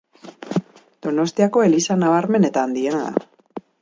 Donostiako eliza nabarmen eta handiena da.